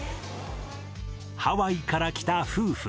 ハワイから来た夫婦。